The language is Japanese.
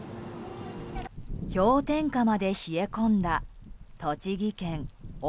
氷点下まで冷え込んだ栃木県奥